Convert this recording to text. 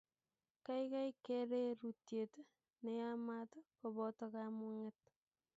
Kaikai kererutyet ne yaamat koboto kamung'et.